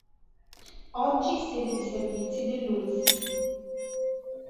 Oggi sede di servizi dell'Ulss.